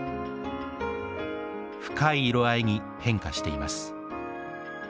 深い色合いに変化しています。